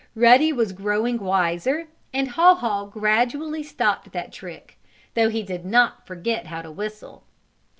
Ruddy was growing wiser and Haw Haw gradually stopped that trick, though he did not forget how to whistle.